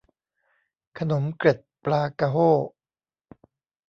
ขนมเกล็ดปลากะโห้